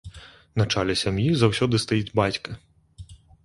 На чале сям'і заўсёды стаіць бацька.